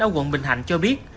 ở quận bình hạnh cho biết